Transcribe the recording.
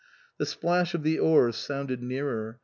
The splash of the oars sounded nearer.